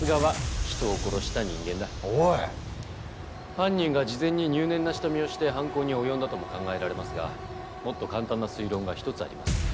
犯人が事前に入念な下見をして犯行に及んだとも考えられますがもっと簡単な推論が一つあります。